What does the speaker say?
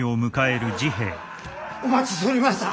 お待ちしておりました。